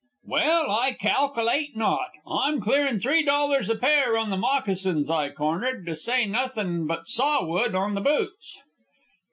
"Well, I calkilate not. I'm clearin' three dollars a pair on the moccasins I cornered, to say nothing but saw wood on the boots.